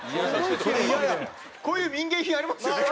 こういう民芸品ありますよね。